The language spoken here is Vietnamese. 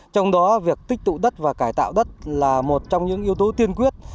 trong đó việc tích tụ đất và cải tạo đất là một trong những yếu tố tiên quyết